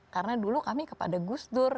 karena dulu kami kepada gus dur gitu